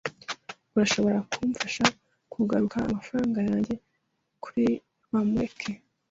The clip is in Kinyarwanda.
Urashobora kumfasha kugarura amafaranga yanjye kuri Bamureke.